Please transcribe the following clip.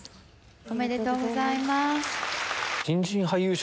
ありがとうございます。